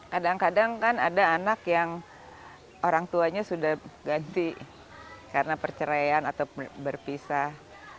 kadang kadang kan ada anak yang orang tuanya sudah ganti karena perceraian atau berpisah